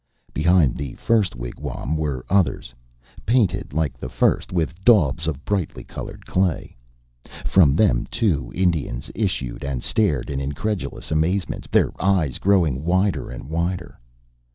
Behind the first wigwam were others, painted like the first with daubs of brightly colored clay. From them, too, Indians issued, and stared in incredulous amazement, their eyes growing wider and wider.